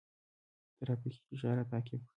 ترافیکي اشاره تعقیب کړه.